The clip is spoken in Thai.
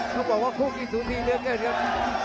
เขาบอกว่าคู่กินสูงที่เนื้อเกินครับ